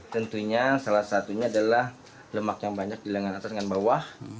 tentunya salah satunya adalah lemak yang banyak di lengan atas dengan bawah